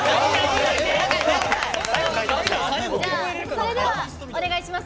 それではお願いします。